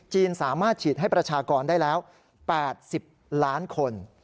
สามารถฉีดให้ประชากรได้แล้ว๘๐ล้านคน